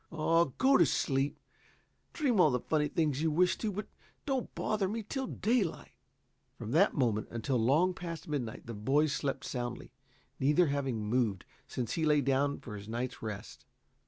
"Oh, go to sleep. Dream all the funny things you wish to, but don't bother me till daylight." From that moment until long past midnight the boys slept soundly, neither having moved since he lay down for his night's rest.